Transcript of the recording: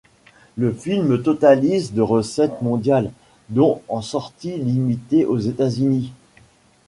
Le film totalise de recettes mondiales, dont en sortie limitée aux États-Unis.